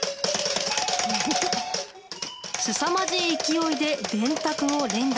すさまじい勢いで電卓を連打。